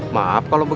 maaf kalau berbicara